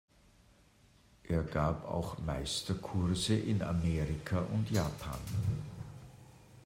Er gab auch "Meisterkurse" in Amerika und Japan.